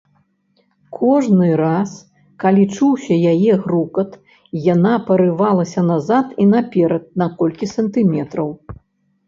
Кожны раз, калі чуўся яе грукат, яна парывалася назад і наперад на колькі сантыметраў.